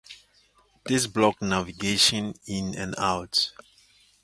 This blocked navigation in and out.